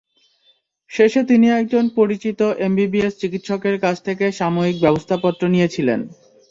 শেষে তিনি একজন পরিচিত এমবিবিএস চিকিৎসকের কাছ থেকে সাময়িক ব্যবস্থাপত্র নিয়েছিলেন।